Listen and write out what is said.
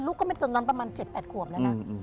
ลูกก็ไม่ต้องนอนประมาณ๗๘ขวบแล้วนะ